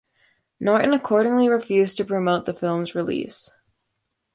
Norton accordingly refused to promote the film's release.